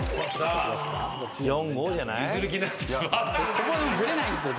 ここブレないんすよ